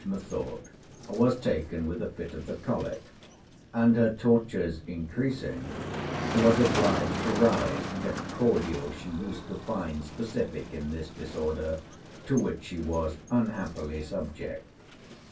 methought was taken with a fit of the colic; and her tortures increasing, was obliged to rise to get a cordial she used to find specific in this disorder, to which she was unhappily subject.